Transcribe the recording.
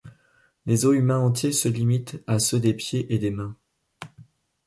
Les os humains entiers se limitent à ceux des pieds et des mains.